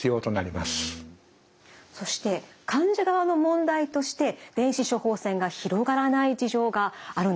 そして患者側の問題として電子処方箋が広がらない事情があるんです。